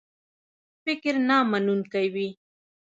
فکر نامنونکی وي.